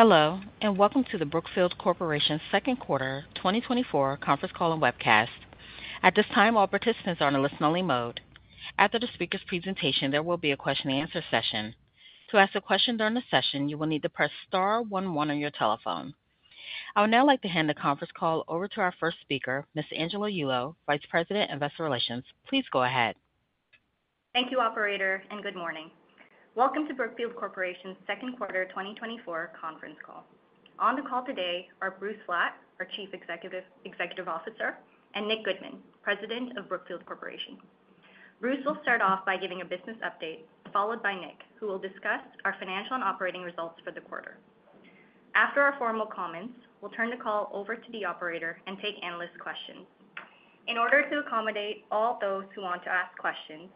Hello, and welcome to the Brookfield Corporation's second quarter 2024 conference call and webcast. At this time, all participants are in a listen-only mode. After the speaker's presentation, there will be a question and answer session. To ask a question during the session, you will need to press star one one on your telephone. I would now like to hand the conference call over to our first speaker, Ms. Angela Yulo, Vice President of Investor Relations. Please go ahead. Thank you, operator, and good morning. Welcome to Brookfield Corporation's second quarter 2024 conference call. On the call today are Bruce Flatt, our Chief Executive Officer, and Nick Goodman, President of Brookfield Corporation. Bruce will start off by giving a business update, followed by Nick, who will discuss our financial and operating results for the quarter. After our formal comments, we'll turn the call over to the operator and take analyst questions. In order to accommodate all those who want to ask questions,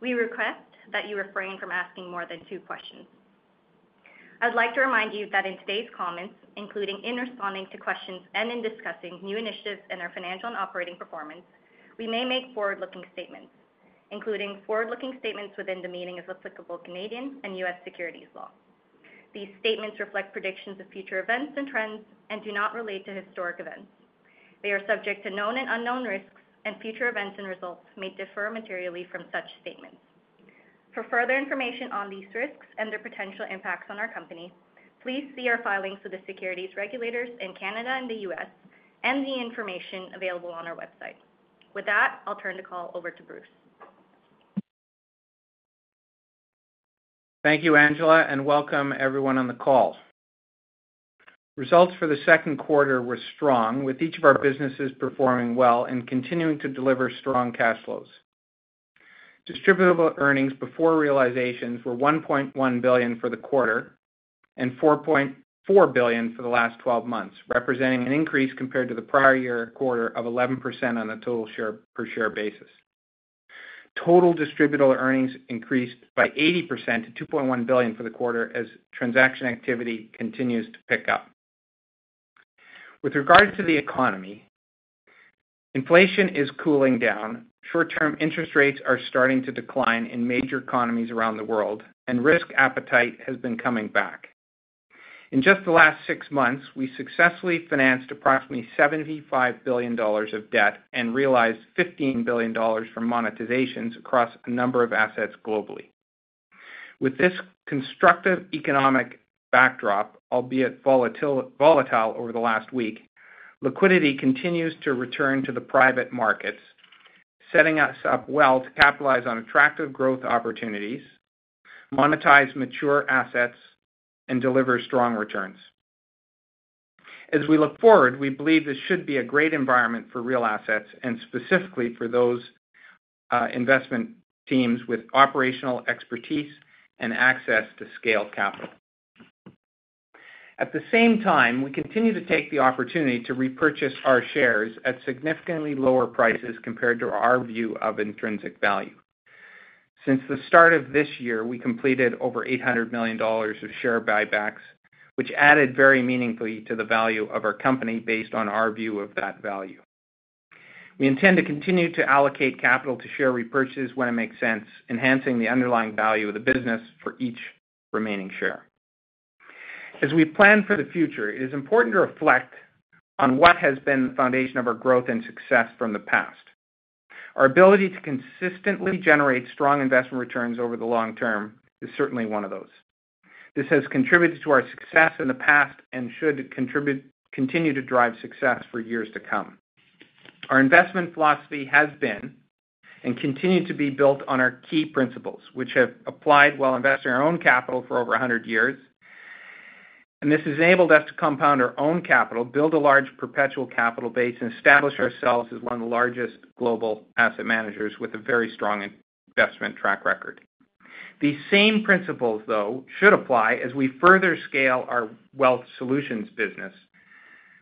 we request that you refrain from asking more than two questions. I'd like to remind you that in today's comments, including in responding to questions and in discussing new initiatives and our financial and operating performance, we may make forward-looking statements, including forward-looking statements within the meaning of applicable Canadian and U.S. securities laws. These statements reflect predictions of future events and trends and do not relate to historic events. They are subject to known and unknown risks, and future events and results may differ materially from such statements. For further information on these risks and their potential impacts on our company, please see our filings with the securities regulators in Canada and the U.S. and the information available on our website. With that, I'll turn the call over to Bruce. Thank you, Angela, and welcome everyone on the call. Results for the second quarter were strong, with each of our businesses performing well and continuing to deliver strong cash flows. Distributable earnings before realizations were $1.1 billion for the quarter and $4.4 billion for the last twelve months, representing an increase compared to the prior year quarter of 11% on a total share per share basis. Total distributable earnings increased by 80% to $2.1 billion for the quarter as transaction activity continues to pick up. With regard to the economy, inflation is cooling down. Short-term interest rates are starting to decline in major economies around the world, and risk appetite has been coming back. In just the last six months, we successfully financed approximately $75 billion of debt and realized $15 billion from monetizations across a number of assets globally. With this constructive economic backdrop, albeit volatile, volatile over the last week, liquidity continues to return to the private markets, setting us up well to capitalize on attractive growth opportunities, monetize mature assets, and deliver strong returns. As we look forward, we believe this should be a great environment for real assets and specifically for those, investment teams with operational expertise and access to scale capital. At the same time, we continue to take the opportunity to repurchase our shares at significantly lower prices compared to our view of intrinsic value. Since the start of this year, we completed over $800 million of share buybacks, which added very meaningfully to the value of our company based on our view of that value. We intend to continue to allocate capital to share repurchases when it makes sense, enhancing the underlying value of the business for each remaining share. As we plan for the future, it is important to reflect on what has been the foundation of our growth and success from the past. Our ability to consistently generate strong investment returns over the long term is certainly one of those. This has contributed to our success in the past and should continue to drive success for years to come. Our investment philosophy has been, and continued to be, built on our key principles, which have applied while investing our own capital for over 100 years. This has enabled us to compound our own capital, build a large perpetual capital base, and establish ourselves as one of the largest global asset managers with a very strong investment track record. These same principles, though, should apply as we further scale our Wealth Solutions business,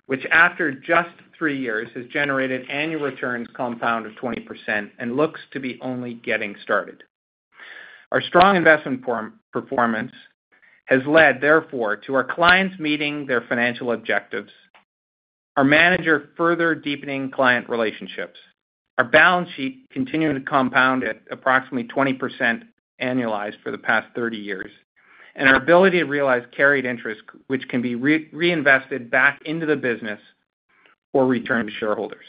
which, after just 3 years, has generated annual returns compound of 20% and looks to be only getting started. Our strong investment performance has led, therefore, to our clients meeting their financial objectives, our manager further deepening client relationships, our balance sheet continuing to compound at approximately 20% annualized for the past 30 years, and our ability to realize carried interest, which can be reinvested back into the business or returned to shareholders.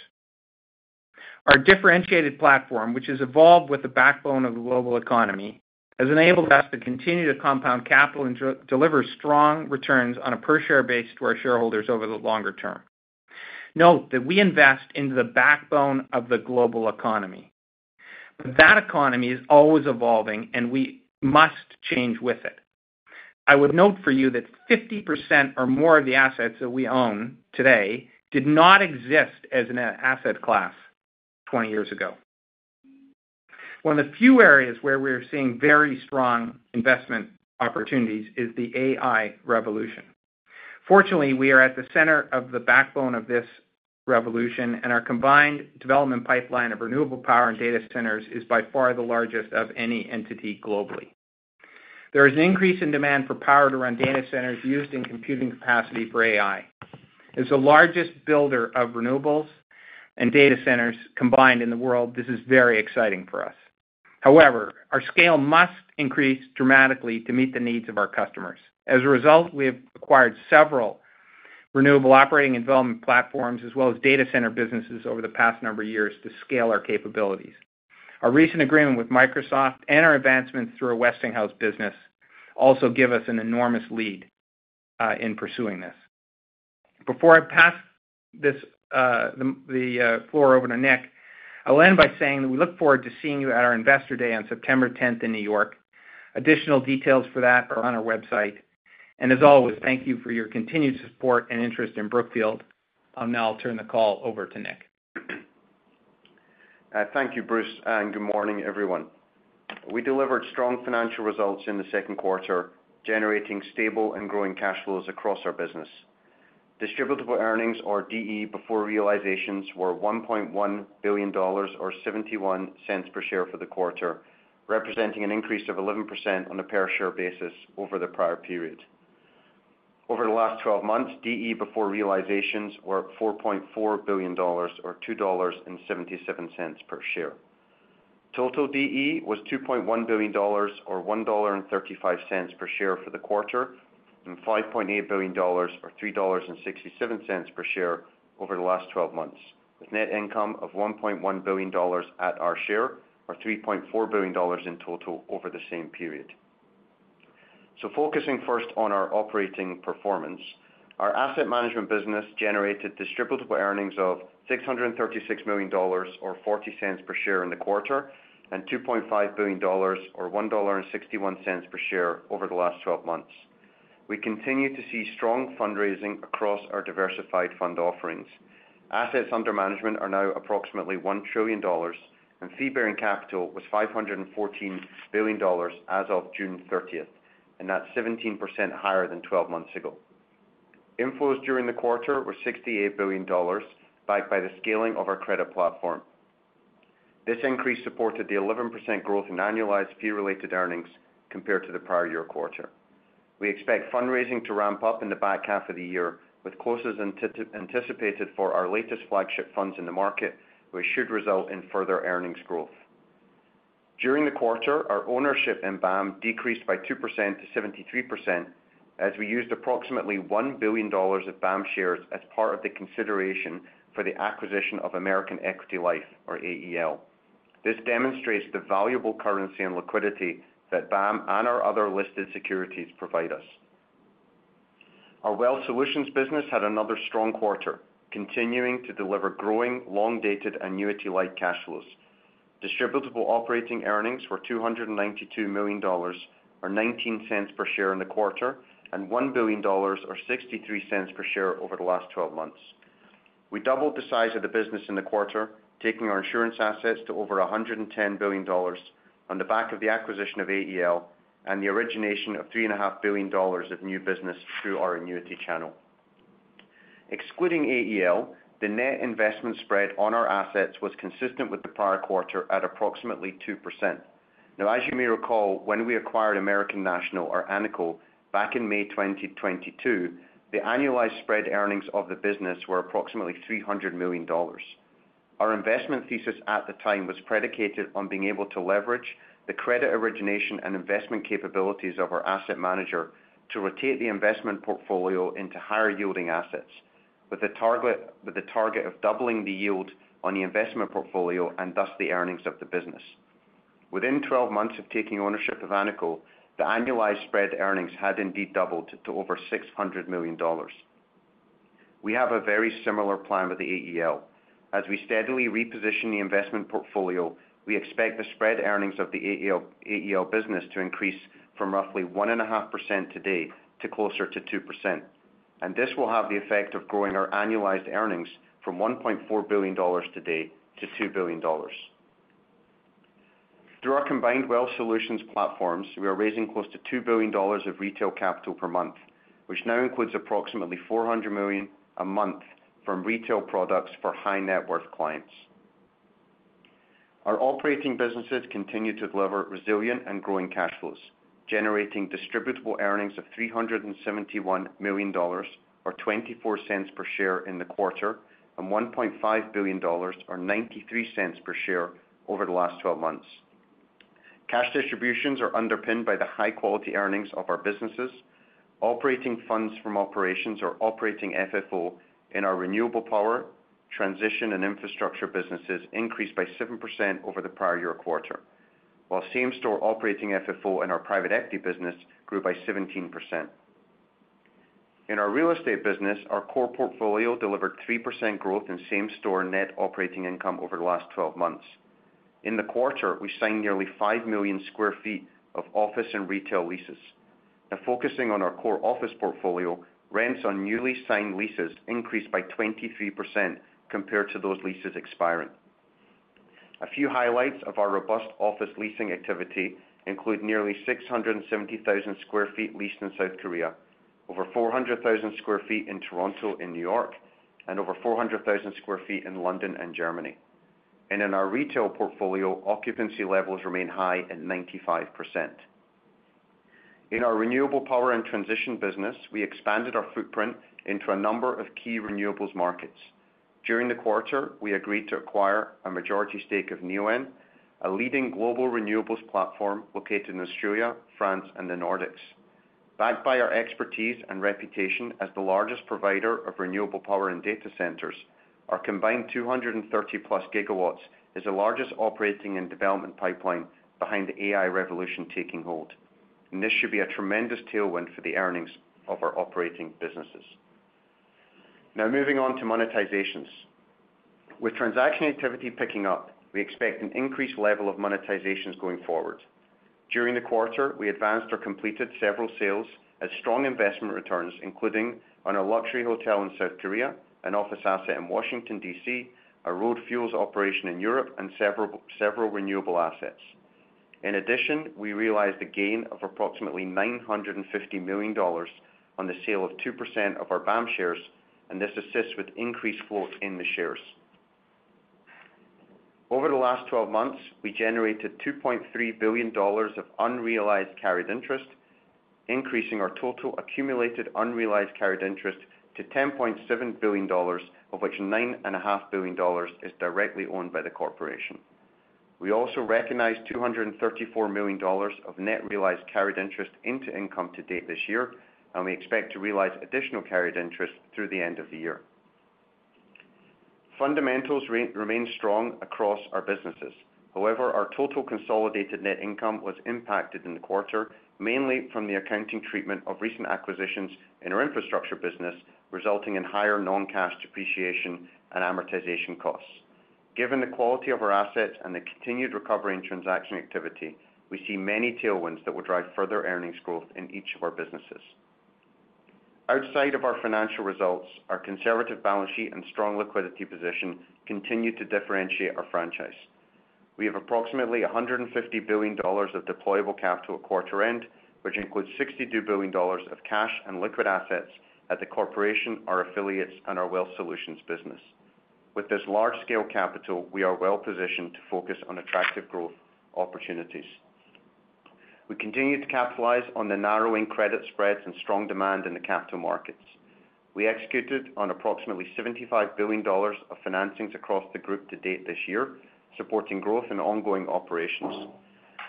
Our differentiated platform, which has evolved with the backbone of the global economy, has enabled us to continue to compound capital and deliver strong returns on a per share basis to our shareholders over the longer term. Note that we invest into the backbone of the global economy. That economy is always evolving, and we must change with it. I would note for you that 50% or more of the assets that we own today did not exist as an asset class 20 years ago. One of the few areas where we're seeing very strong investment opportunities is the AI revolution. Fortunately, we are at the center of the backbone of this revolution, and our combined development pipeline of renewable power and data centers is by far the largest of any entity globally. There is an increase in demand for power to run data centers used in computing capacity for AI. As the largest builder of renewables and data centers combined in the world, this is very exciting for us. However, our scale must increase dramatically to meet the needs of our customers. As a result, we have acquired several renewable operating and development platforms, as well as data center businesses over the past number of years to scale our capabilities. Our recent agreement with Microsoft and our advancements through our Westinghouse business also give us an enormous lead in pursuing this. Before I pass the floor over to Nick, I'll end by saying that we look forward to seeing you at our Investor Day on September tenth in New York. Additional details for that are on our website. As always, thank you for your continued support and interest in Brookfield. I'll now turn the call over to Nick. Thank you, Bruce, and good morning, everyone. We delivered strong financial results in the second quarter, generating stable and growing cash flows across our business. Distributable earnings, or DE, before realizations were $1.1 billion or $0.71 per share for the quarter, representing an increase of 11% on a per-share basis over the prior period. Over the last 12 months, DE before realizations were $4.4 billion or $2.77 per share. Total DE was $2.1 billion or $1.35 per share for the quarter, and $5.8 billion or $3.67 per share over the last 12 months, with net income of $1.1 billion at our share or $3.4 billion in total over the same period. Focusing first on our operating performance, our asset management business generated distributable earnings of $636 million or $0.40 per share in the quarter, and $2.5 billion or $1.61 per share over the last twelve months. We continue to see strong fundraising across our diversified fund offerings. Assets under management are now approximately $1 trillion, and fee-bearing capital was $514 billion as of June 30, and that's 17% higher than twelve months ago. Inflows during the quarter were $68 billion, backed by the scaling of our credit platform. This increase supported the 11% growth in annualized fee-related earnings compared to the prior year quarter. We expect fundraising to ramp up in the back half of the year, with closes anticipated for our latest flagship funds in the market, which should result in further earnings growth. During the quarter, our ownership in BAM decreased by 2% to 73%, as we used approximately $1 billion of BAM shares as part of the consideration for the acquisition of American Equity Life, or AEL. This demonstrates the valuable currency and liquidity that BAM and our other listed securities provide us. Our Wealth Solutions business had another strong quarter, continuing to deliver growing, long-dated annuity-like cash flows. Distributable operating earnings were $292 million, or $0.19 per share in the quarter, and $1 billion, or $0.63 per share over the last 12 months. We doubled the size of the business in the quarter, taking our insurance assets to over $110 billion on the back of the acquisition of AEL and the origination of $3.5 billion of new business through our annuity channel. Excluding AEL, the net investment spread on our assets was consistent with the prior quarter at approximately 2%. Now, as you may recall, when we acquired American National or ANICO, back in May 2022, the annualized spread earnings of the business were approximately $300 million. Our investment thesis at the time was predicated on being able to leverage the credit origination and investment capabilities of our asset manager to rotate the investment portfolio into higher-yielding assets, with the target, with the target of doubling the yield on the investment portfolio and thus the earnings of the business. Within 12 months of taking ownership of ANICO, the annualized spread earnings had indeed doubled to over $600 million. We have a very similar plan with the AEL. As we steadily reposition the investment portfolio, we expect the spread earnings of the AEL, AEL business to increase from roughly 1.5% today to closer to 2%. This will have the effect of growing our annualized earnings from $1.4 billion today to $2 billion. Through our combined Wealth Solutions platforms, we are raising close to $2 billion of retail capital per month, which now includes approximately $400 million a month from retail products for high-net-worth clients. Our operating businesses continue to deliver resilient and growing cash flows, generating Distributable Earnings of $371 million, or $0.24 per share in the quarter, and $1.5 billion, or $0.93 per share over the last twelve months. Cash distributions are underpinned by the high-quality earnings of our businesses. Operating Funds From Operations or Operating FFO in our renewable power, transition, and infrastructure businesses increased by 7% over the prior year quarter, while same-store Operating FFO in our private equity business grew by 17%. In our real estate business, our core portfolio delivered 3% growth in same-store net operating income over the last twelve months. In the quarter, we signed nearly 5 million sq ft of office and retail leases. Now, focusing on our core office portfolio, rents on newly signed leases increased by 23% compared to those leases expiring. A few highlights of our robust office leasing activity include nearly 670,000 sq ft leased in South Korea, over 400,000 sq ft in Toronto and New York, and over 400,000 sq ft in London and Germany. In our retail portfolio, occupancy levels remain high at 95%. In our renewable power and transition business, we expanded our footprint into a number of key renewables markets. During the quarter, we agreed to acquire a majority stake of Neoen, a leading global renewables platform located in Australia, France, and the Nordics. Backed by our expertise and reputation as the largest provider of renewable power and data centers, our combined 230+ gigawatts is the largest operating and development pipeline behind the AI revolution taking hold, and this should be a tremendous tailwind for the earnings of our operating businesses. Now moving on to monetizations. With transaction activity picking up, we expect an increased level of monetizations going forward. During the quarter, we advanced or completed several sales at strong investment returns, including on a luxury hotel in South Korea, an office asset in Washington, D.C., a road fuels operation in Europe, and several renewable assets. In addition, we realized a gain of approximately $950 million on the sale of 2% of our BAM shares, and this assists with increased float in the shares. Over the last twelve months, we generated $2.3 billion of unrealized carried interest, increasing our total accumulated unrealized carried interest to $10.7 billion, of which $9.5 billion is directly owned by the corporation. We also recognized $234 million of net realized carried interest into income to date this year, and we expect to realize additional carried interest through the end of the year. Fundamentals remain strong across our businesses. However, our total consolidated net income was impacted in the quarter, mainly from the accounting treatment of recent acquisitions in our infrastructure business, resulting in higher non-cash depreciation and amortization costs. Given the quality of our assets and the continued recovery in transaction activity, we see many tailwinds that will drive further earnings growth in each of our businesses. Outside of our financial results, our conservative balance sheet and strong liquidity position continue to differentiate our franchise. We have approximately $150 billion of deployable capital at quarter end, which includes $62 billion of cash and liquid assets at the corporation, our affiliates, and our wealth solutions business. With this large-scale capital, we are well positioned to focus on attractive growth opportunities. We continue to capitalize on the narrowing credit spreads and strong demand in the capital markets. We executed on approximately $75 billion of financings across the group to date this year, supporting growth and ongoing operations.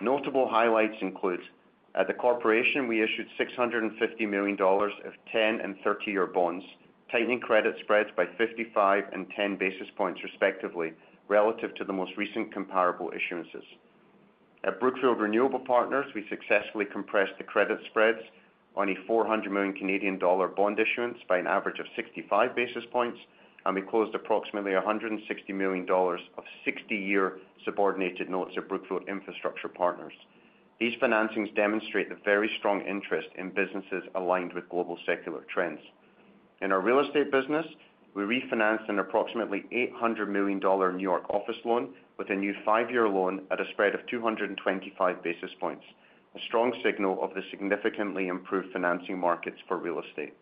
Notable highlights include: at the corporation, we issued $650 million of 10 and 30 year bonds, tightening credit spreads by 55 and 10 basis points, respectively, relative to the most recent comparable issuances. At Brookfield Renewable Partners, we successfully compressed the credit spreads on a 400 million Canadian dollar bond issuance by an average of 65 basis points, and we closed approximately $160 million of 60-year subordinated notes at Brookfield Infrastructure Partners. These financings demonstrate the very strong interest in businesses aligned with global secular trends. In our real estate business, we refinanced an approximately $800 million New York office loan with a new 5-year loan at a spread of 225 basis points, a strong signal of the significantly improved financing markets for real estate.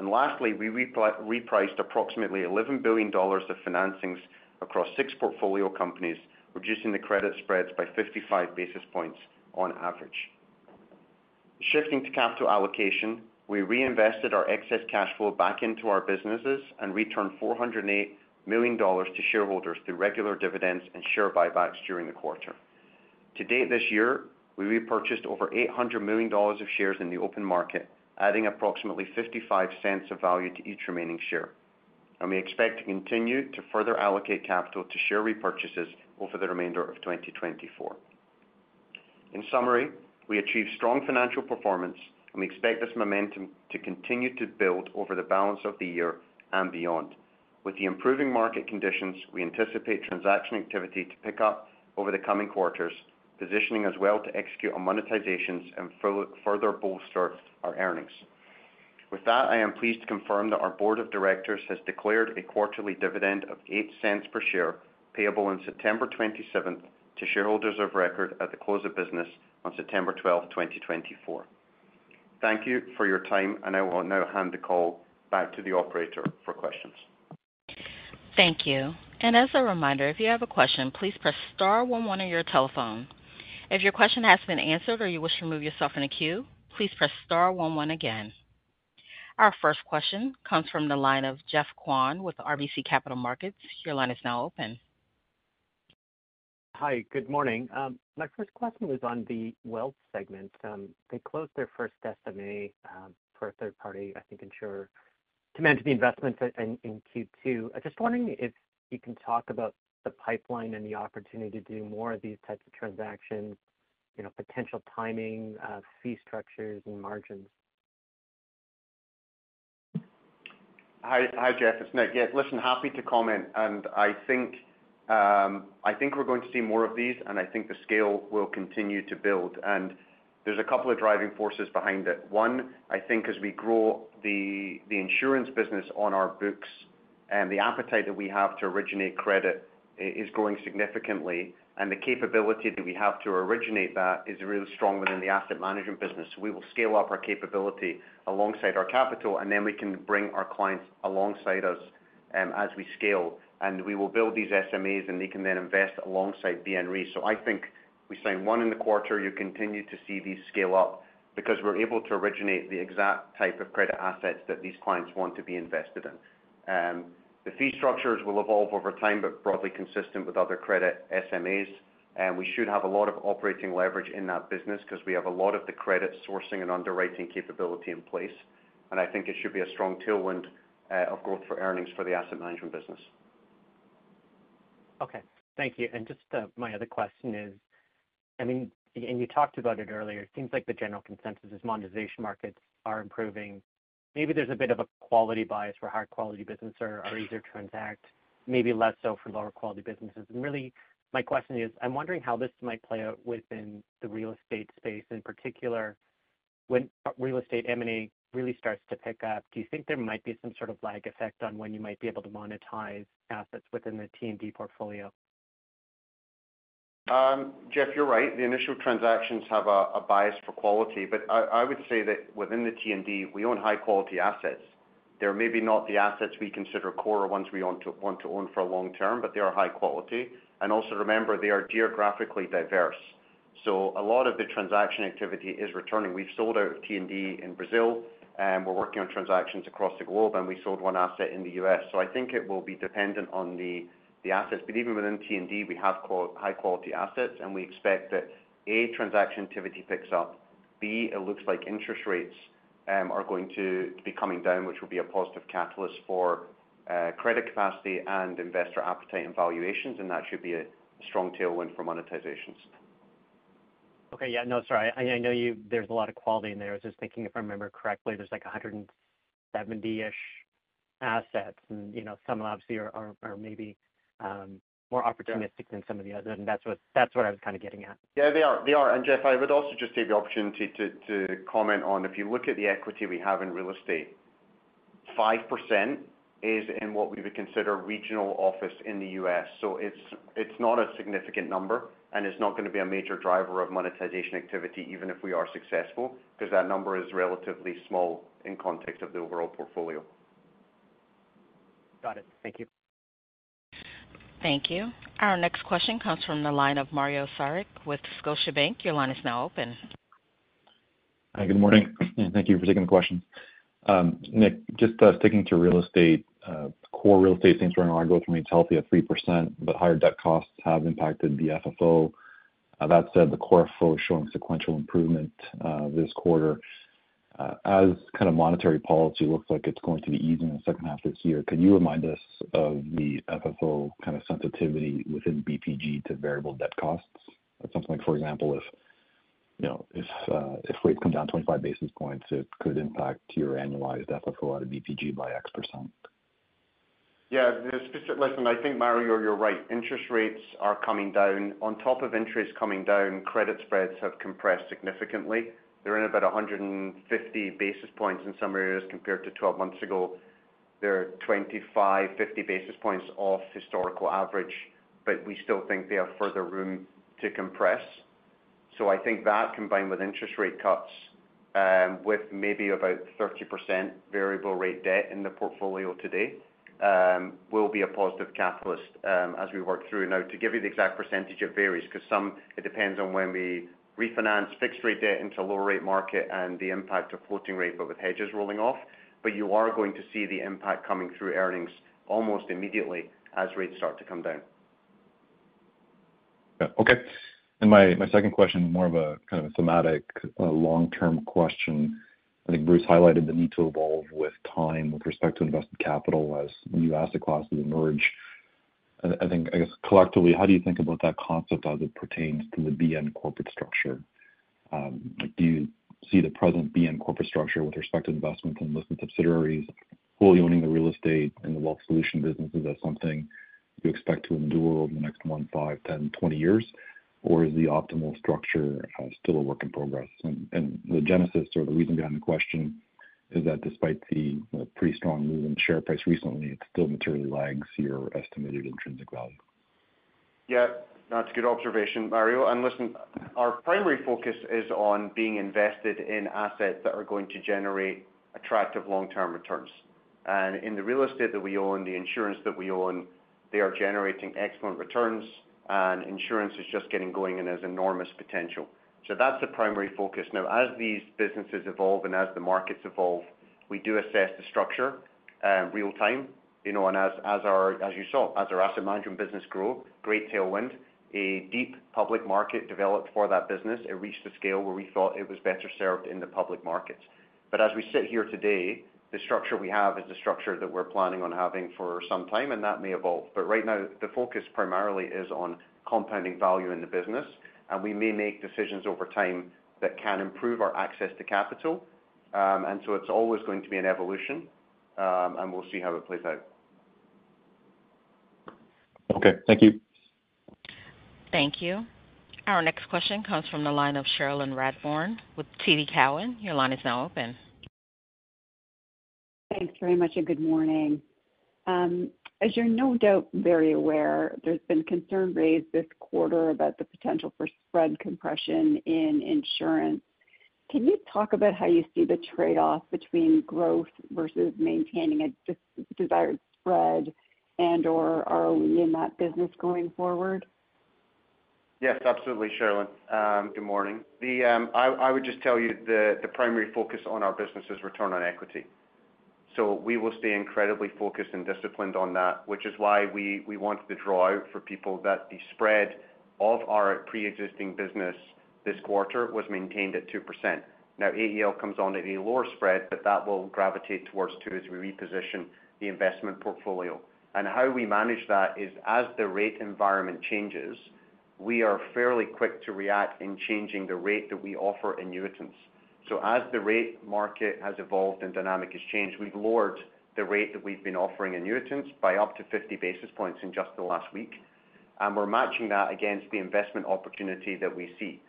Lastly, we repriced approximately $11 billion of financings across six portfolio companies, reducing the credit spreads by 55 basis points on average. Shifting to capital allocation, we reinvested our excess cash flow back into our businesses and returned $408 million to shareholders through regular dividends and share buybacks during the quarter. To date, this year, we repurchased over $800 million of shares in the open market, adding approximately $0.55 of value to each remaining share, and we expect to continue to further allocate capital to share repurchases over the remainder of 2024. In summary, we achieved strong financial performance, and we expect this momentum to continue to build over the balance of the year and beyond. With the improving market conditions, we anticipate transaction activity to pick up over the coming quarters, positioning us well to execute on monetizations and further bolster our earnings. With that, I am pleased to confirm that our board of directors has declared a quarterly dividend of $0.08 per share, payable on September 27th, to shareholders of record at the close of business on September 12th, 2024. Thank you for your time, and I will now hand the call back to the operator for questions. Thank you. As a reminder, if you have a question, please press star one one on your telephone. If your question has been answered or you wish to remove yourself from the queue, please press star one one again. Our first question comes from the line of Geoffrey Kwan with RBC Capital Markets. Your line is now open. Hi, good morning. My first question was on the wealth segment. They closed their first estimate for a third party, I think insurer, to manage the investments in Q2. I'm just wondering if you can talk about the pipeline and the opportunity to do more of these types of transactions potential timing, fee structures, and margins. Hi, Jeff, it's Nick. Yeah, listen, happy to comment, and I think I think we're going to see more of these, and I think the scale will continue to build. There's a couple of driving forces behind it. One, I think as we grow the insurance business on our books, the appetite that we have to originate credit is growing significantly, and the capability that we have to originate that is really strong within the asset management business. We will scale up our capability alongside our capital, and then we can bring our clients alongside us. As we scale, and we will build these SMAs, and they can then invest alongside BNRE. I think we signed one in the quarter. You continue to see these scale up because we're able to originate the exact type of credit assets that these clients want to be invested in. The fee structures will evolve over time, but broadly consistent with other credit SMAs. And we should have a lot of operating leverage in that business because we have a lot of the credit sourcing and underwriting capability in place, and I think it should be a strong tailwind of growth for earnings for the asset management business. Okay. Thank you. Just, my other question is, I mean, and you talked about it earlier, it seems like the general consensus is monetization markets are improving. Maybe there's a bit of a quality bias where higher quality business are easier to transact, maybe less so for lower quality businesses. And really, my question is, I'm wondering how this might play out within the real estate space, in particular, when real estate M&A really starts to pick up. Do you think there might be some lag effect on when you might be able to monetize assets within the T&D portfolio? Jeff, you're right. The initial transactions have a bias for quality, but I would say that within the T&D, we own high-quality assets. They're maybe not the assets we consider core or ones we want to own for long term, but they are high quality. And also, remember, they are geographically diverse. So a lot of the transaction activity is returning. We've sold out of T&D in Brazil, and we're working on transactions across the globe, and we sold one asset in the US. So I think it will be dependent on the assets. Even within T&D, we have high-quality assets, and we expect that, A, transaction activity picks up B, it looks like interest rates are going to be coming down, which will be a positive catalyst for credit capacity and investor appetite and valuations, and that should be a strong tailwind for monetizations. Okay. Yeah. No, sorry. I know you, there's a lot of quality in there. I was just thinking, if I remember correctly, there's like 170-ish assets, and, you know, some obviously are maybe more opportunistic than some of the others, and that's what I was getting at. Yeah, they are, they are. Jeff, I would also just take the opportunity to, to comment on, if you look at the equity we have in real estate, 5% is in what we would consider regional office in the U.S. It's, it's not a significant number, and it's not going to be a major driver of monetization activity, even if we are successful, because that number is relatively small in context of the overall portfolio. Got it. Thank you. Thank you. Our next question comes from the line of Mario Saric with Scotiabank. Your line is now open. Hi, good morning, and thank you for taking the question. Nick, just sticking to real estate, core real estate things are going well, growth remains healthy at 3%, but higher debt costs have impacted the FFO. That said, the core FFO is showing sequential improvement this quarter. As monetary policy looks like it's going to be easing in the second half of this year, can you remind us of the FFO sensitivity within BPG to variable debt costs? Or something like, for example, if, you know, if rates come down 25 basis points, it could impact your annualized FFO out of BPG by X%. Yeah, listen, I think, Mario, you're, you're right. Interest rates are coming down. On top of interest coming down, credit spreads have compressed significantly. They're in about 150 basis points in some areas, compared to 12 months ago. They're 25-50 basis points off historical average, but we still think they have further room to compress. So I think that, combined with interest rate cuts, with maybe about 30% variable rate debt in the portfolio today, will be a positive catalyst, as we work through. Now, to give you the exact percentage, it varies, because it depends on when we refinance fixed rate debt into lower-rate market and the impact of floating rate, but with hedges rolling off. You are going to see the impact coming through earnings almost immediately as rates start to come down. Yeah. Okay. My second question, more of a thematic long-term question. I think Bruce highlighted the need to evolve with time, with respect to invested capital as new asset classes emerge. I think, I guess, collectively, how do you think about that concept as it pertains to the BN corporate structure? Do you see the present BN corporate structure with respect to investment in listed subsidiaries, fully owning the real estate and the Wealth Solutions businesses as something you expect to endure over the next one, five, 10, 20 years? Or is the optimal structure still a work in progress? And the genesis or the reason behind the question is that despite the, you know, pretty strong move in share price recently, it still materially lags your estimated intrinsic value. Yeah, that's a good observation, Mario. And listen, our primary focus is on being invested in assets that are going to generate attractive long-term returns. And in the real estate that we own, the insurance that we own, they are generating excellent returns, and insurance is just getting going and has enormous potential. That` s the primary focus. Now, as these businesses evolve and as the markets evolve, we do assess the structure, real time, you know, and as you saw, as our asset management business grew, great tailwind, a deep public market developed for that business. It reached the scale where we thought it was better served in the public markets. As we sit here today, the structure we have is the structure that we're planning on having for some time, and that may evolve. Right now, the focus primarily is on compounding value in the business, and we may make decisions over time that can improve our access to capital. And so it's always going to be an evolution, and we'll see how it plays out. Okay. Thank you. Thank you. Our next question comes from the line of Cherilyn Radbourne with TD Cowen. Your line is now open. Thanks very much, and good morning. As you're no doubt very aware, there's been concern raised this quarter about the potential for spread compression in insurance. Can you talk about how you see the trade-off between growth versus maintaining a just desired spread, and/or are we in that business going forward? Yes, absolutely, Cherilyn. Good morning. I would just tell you the primary focus on our business is return on equity. So we will stay incredibly focused and disciplined on that, which is why we want to draw out for people that the spread of our preexisting business this quarter was maintained at 2%. Now, AEL comes on at a lower spread, but that will gravitate towards 2% as we reposition the investment portfolio. How we manage that is, as the rate environment changes, we are fairly quick to react in changing the rate that we offer in new tenants. As the rate market has evolved and dynamic has changed, we've lowered the rate that we've been offering in new tenants by up to 50 basis points in just the last week. We're matching that against the investment opportunity that we see,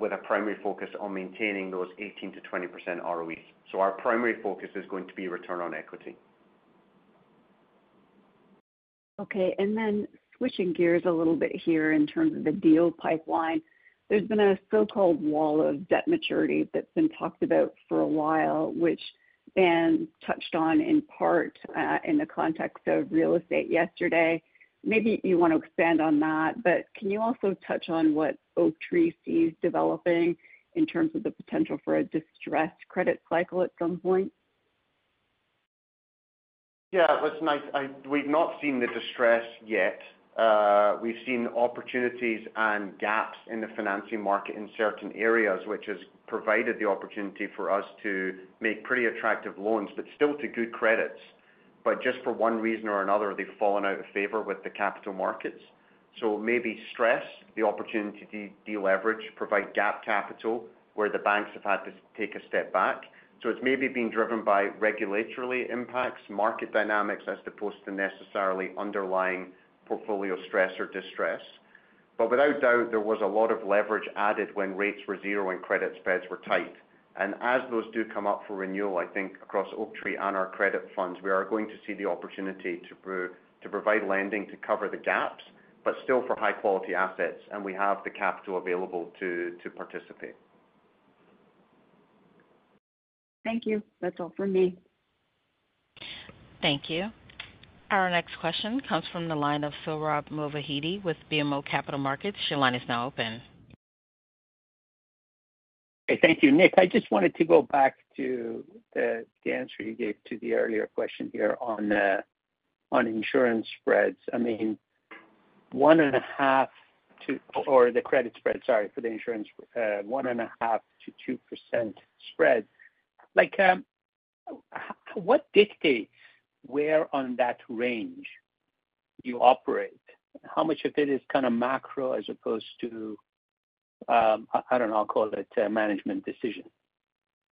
with a primary focus on maintaining those 18%-20% ROE. Our primary focus is going to be return on equity. Okay, and then switching gears a little bit here in terms of the deal pipeline. There's been a so-called wall of debt maturity that's been talked about for a while, which Ben touched on, in part, in the context of real estate yesterday. Maybe you want to expand on that, but can you also touch on what Oaktree sees developing in terms of the potential for a distressed credit cycle at some point? Yeah, listen, we've not seen the distress yet. We've seen opportunities and gaps in the financing market in certain areas, which has provided the opportunity for us to make pretty attractive loans, but still to good credits. Just for one reason or another, they've fallen out of favor with the capital markets. Maybe stress the opportunity to de-leverage, provide gap capital where the banks have had to take a step back. It's maybe been driven by regulatory impacts, market dynamics, as opposed to necessarily underlying portfolio stress or distress. Without doubt, there was a lot of leverage added when rates were zero and credit spreads were tight. As those do come up for renewal, I think across Oaktree and our credit funds, we are going to see the opportunity to provide lending to cover the gaps, but still for high quality assets, and we have the capital available to participate. Thank you. That's all for me. Thank you. Our next question comes from the line of Sohrab Movahedi with BMO Capital Markets. Your line is now open. Hey, thank you. Nick, I just wanted to go back to the answer you gave to the earlier question here on insurance spreads. I mean, one and a half or the credit spread, sorry, for the insurance. One and a half to two percent spread. Like, what dictates where on that range you operate? How much of it is macro as opposed to, I don't know, I'll call it a management decision?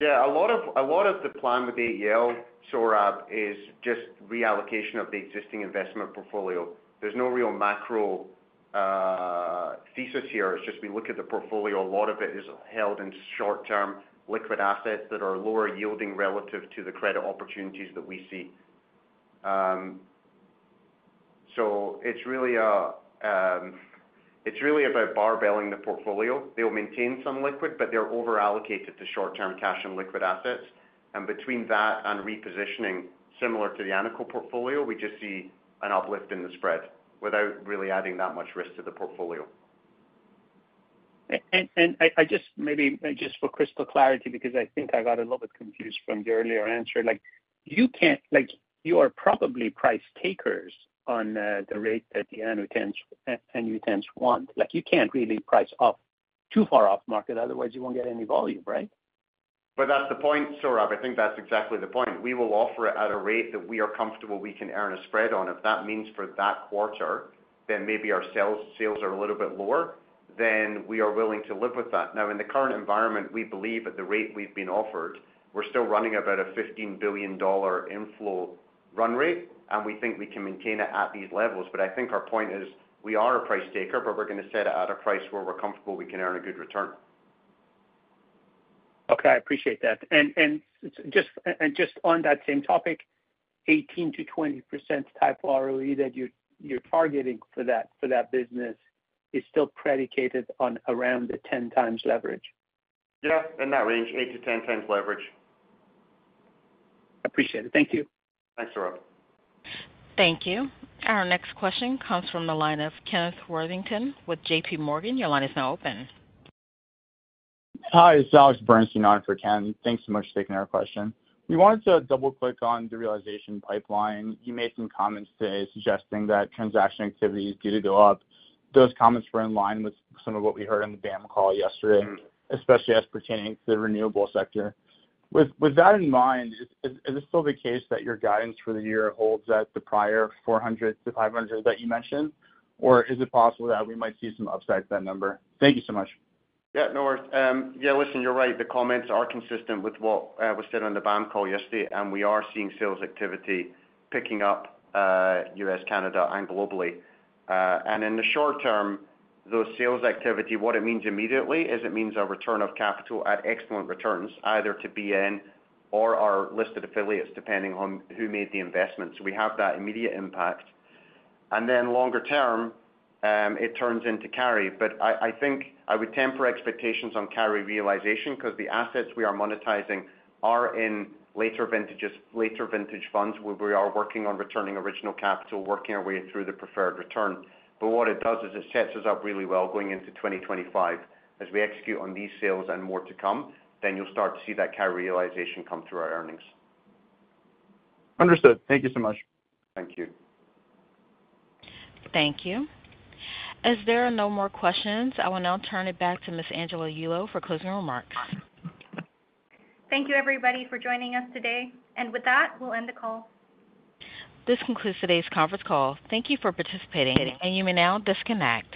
Yeah, a lot of, a lot of the plan with AEL, Sohrab, is just reallocation of the existing investment portfolio. There's no real macro thesis here. It's just we look at the portfolio, a lot of it is held in short-term liquid assets that are lower yielding relative to the credit opportunities that we see. It's really, it's really about barbelling the portfolio. They'll maintain some liquid, but they're over-allocated to short-term cash and liquid assets. Between that and repositioning, similar to the ANICO portfolio, we just see an uplift in the spread without really adding that much risk to the portfolio. I just maybe just for crystal clarity, because I think I got a little bit confused from the earlier answer. Like, you can't like, you are probably price takers on the rate that the annuitants want. Like, you can't really price off too far off market, otherwise you won't get any volume, right? That's the point, Sohrab. I think that's exactly the point. We will offer it at a rate that we are comfortable we can earn a spread on. If that means for that quarter, then maybe our sales, sales are a little bit lower, then we are willing to live with that. Now, in the current environment, we believe that the rate we've been offered, we're still running about a $15 billion inflow run rate, and we think we can maintain it at these levels. I think our point is, we are a price taker, but we're going to set it at a price where we're comfortable we can earn a good return. Okay, I appreciate that. Just on that same topic, 18%-20% type ROE that you're targeting for that business is still predicated on around the 10x leverage? Yeah, in that range, 8-10 times leverage. Appreciate it. Thank you. Thanks, Sohrab. Thank you. Our next question comes from the line of Kenneth Worthington with J.P. Morgan. Your line is now open. Hi, it's Alex Bernstein on for Ken. Thanks so much for taking our question. We wanted to double-click on the realization pipeline. You made some comments today suggesting that transaction activity is due to go up. Those comments were in line with some of what we heard on the BAM call yesterday especially as pertaining to the renewable sector. With that in mind, is this still the case that your guidance for the year holds at the prior 400-500 that you mentioned? Or is it possible that we might see some upside to that number? Thank you so much. Yeah, no worries. Yeah, listen, you're right. The comments are consistent with what was said on the BAM call yesterday, and we are seeing sales activity picking up, US, Canada, and globally. And in the short term, those sales activity, what it means immediately, is it means a return of capital at excellent returns, either to BN or our listed affiliates, depending on who made the investment. We have that immediate impact. Then longer term, it turns into carry. I think I would temper expectations on carry realization, because the assets we are monetizing are in later vintages, later vintage funds, where we are working on returning original capital, working our way through the preferred return. What it does is it sets us up really well going into 2025. As we execute on these sales and more to come, then you'll start to see that carry realization come through our earnings. Understood. Thank you so much. Thank you. Thank you. As there are no more questions, I will now turn it back to Ms. Angela Yulo for closing remarks. Thank you, everybody, for joining us today. With that, we'll end the call. This concludes today's conference call. Thank you for participating, and you may now disconnect.